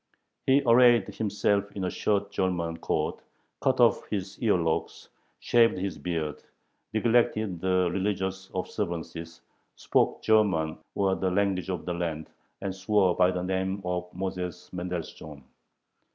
He arrayed himself in a short German coat, cut off his earlocks, shaved his beard, neglected the religious observances, spoke German or "the language of the land," and swore by the name of Moses Mendelssohn.